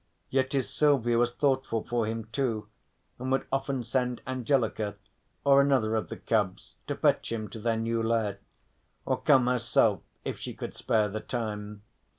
Yet his Silvia was thoughtful for him too and would often send Angelica or another of the cubs to fetch him to their new lair, or come herself if she could spare the time.